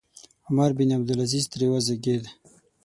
عمر بن عبدالعزیز ترې وزېږېد.